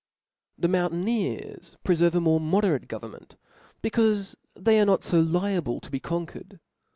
The mourttaneers preferve a mpre moderate go Irernmenf, becaufe they are not fo liable to be con tjuered.